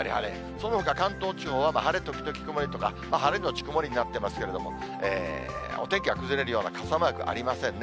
そのほか関東地方は晴れ時々曇りとか、晴れ後曇りになってますけれども、お天気が崩れるような傘マークはありませんね。